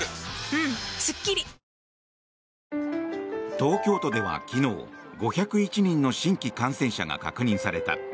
東京都では昨日５０１人の新規感染者が確認された。